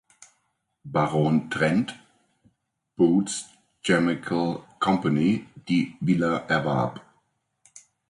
Baron Trent (Boots Chemical Company) die Villa erwarb.